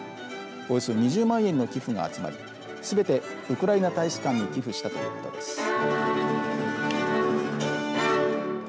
およそ２０万円の寄付が集まりすべてウクライナ大使館に寄付したということです。